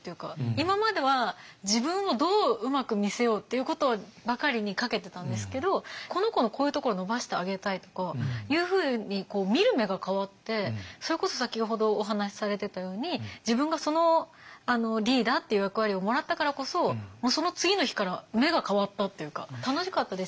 今までは自分をどううまく見せようっていうことばかりにかけてたんですけどこの子のこういうところを伸ばしてあげたいとかいうふうに見る目が変わってそれこそ先ほどお話しされてたように自分がそのリーダーっていう役割をもらったからこそもう次の日から目が変わったっていうか楽しかったです。